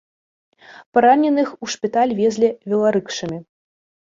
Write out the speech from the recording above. Параненых у шпіталь везлі веларыкшамі.